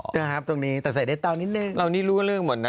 อ๋อนี่ครับตรงนี้แต่ใส่เน็ตตอนิดนึงเรานี่รู้กับเรื่องหมดน่ะ